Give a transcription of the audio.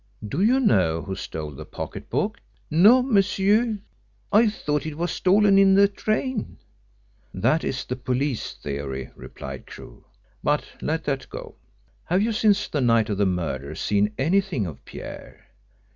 "Do you know who stole the pocket book?" "No, monsieur. I thought it was stolen in the train." "That is the police theory," replied Crewe. "But let that go. Have you, since the night of the murder, seen anything of Pierre?"